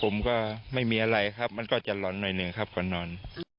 ผมก็ไม่มีอะไรครับมันก็จะหล่อนหน่อยหนึ่งครับก่อนนอน